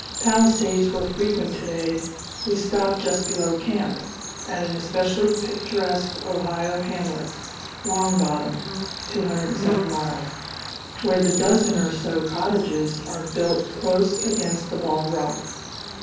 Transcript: Palisades were frequent to day. We stopped just below camp, at an especially picturesque Ohio hamlet, Long Bottom (207 miles), where the dozen or so cottages are built close against the bald rock.